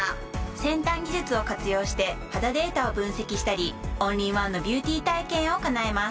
先端技術を活用して肌データを分析したりオンリーワンのビューティー体験を叶えます。